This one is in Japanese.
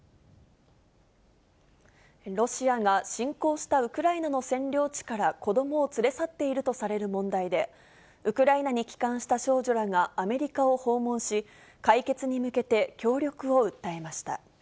ロシアが侵攻したウクライナの占領地から子どもを連れ去っているとされる問題で、ウクライナに帰還した少女らがアメリカを訪問し、解決に向けて協